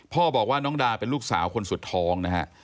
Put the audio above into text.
พ่อบอกว่าน้องดาเป็นลูกสาวคนสุดท้องนะฮะ